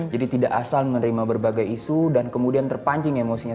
jadi tidak asal menerima berbagai isu dan kemudian terpancing emosinya